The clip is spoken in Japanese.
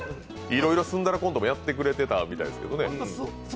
いろいろコントもやってくれてたみたいですけど。